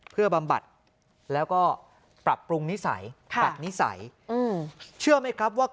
เพื่อบำบัดแล้วก็ปรับปรุงนิสัยปรับนิสัยเชื่อไหมครับว่า